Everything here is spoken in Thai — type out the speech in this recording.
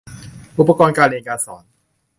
อุปกรณ์การเรียนการสอน